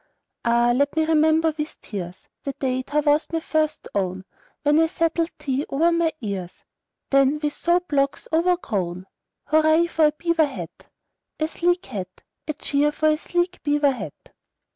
Ah, let me remember with tears The day thou wast first my own, When I settled thee over my ears, Then with soap locks overgrown. "Hurra for a beaver hat, A sleek hat! A cheer for a sleek beaver hat!"